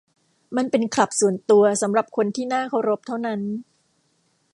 มันเป็นคลับส่วนตัวสำหรับคนที่น่าเคารพเท่านั้น